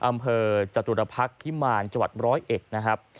อำเภอจตุรพักษณ์พิมมารจวัตรร้อยเอกนะครับ